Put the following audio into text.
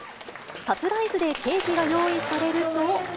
サプライズでケーキが用意されると。